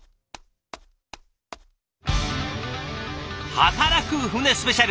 働く船スペシャル。